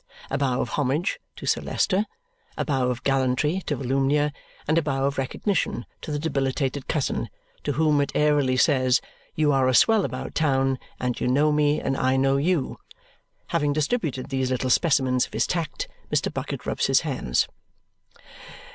A bow of homage to Sir Leicester, a bow of gallantry to Volumnia, and a bow of recognition to the debilitated Cousin, to whom it airily says, "You are a swell about town, and you know me, and I know you." Having distributed these little specimens of his tact, Mr. Bucket rubs his hands.